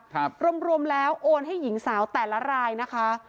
รวมรวมแล้วโอนให้หญิงสาวแต่ละรายนะคะ